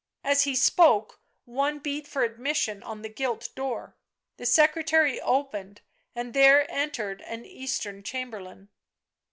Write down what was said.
As he spoke one beat for admission on the gilt door. The secretary opened and there entered an Eastern chamberlain.